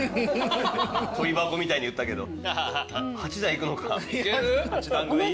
跳び箱みたいに言ったけど８段いくのか？